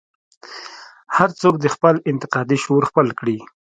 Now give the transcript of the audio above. هر څوک دې خپل انتقادي شعور خپل کړي.